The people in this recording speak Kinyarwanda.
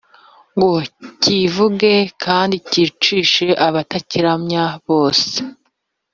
ngo kivuge kandi cyicishe abatakiramya bose.